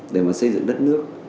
để mà xây dựng đất nước